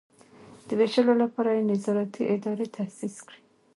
د ویشلو لپاره یې نظارتي ادارې تاسیس کړي.